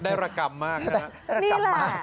ได้ระกรรมมากเห็นมั้ยนี่แหละ